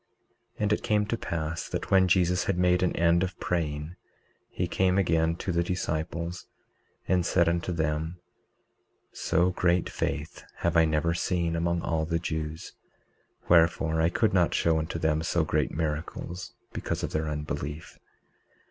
19:35 And it came to pass that when Jesus had made an end of praying he came again to the disciples, and said unto them: So great faith have I never seen among all the Jews; wherefore I could not show unto them so great miracles, because of their unbelief.